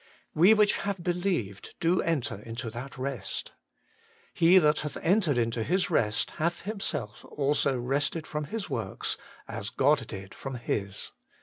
' We which have believed do enter into that rest ;'' He that hath entered into his rest hath himself also rested from his works, as God did from His.'